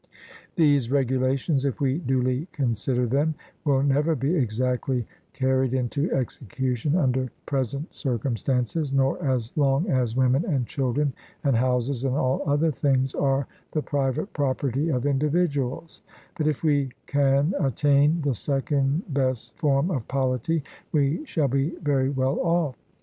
These regulations, if we duly consider them, will never be exactly carried into execution under present circumstances, nor as long as women and children and houses and all other things are the private property of individuals; but if we can attain the second best form of polity, we shall be very well off.